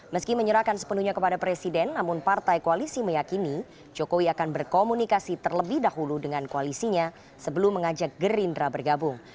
meski menyerahkan sepenuhnya kepada presiden namun partai koalisi meyakini jokowi akan berkomunikasi terlebih dahulu dengan koalisinya sebelum mengajak gerindra bergabung